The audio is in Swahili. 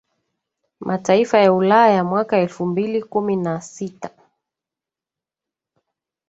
Mataifa ya Ulaya mwaka elfu mbili kumi na sita